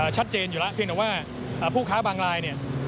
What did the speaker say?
ชัดเจนอยู่แล้วเพียงแต่ว่าผู้ค้าบางรายเนี่ย